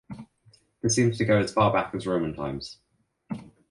This seems to go as far back as Roman times.